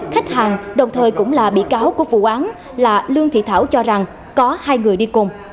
khách hàng đồng thời cũng là bị cáo của vụ án là lương thị thảo cho rằng có hai người đi cùng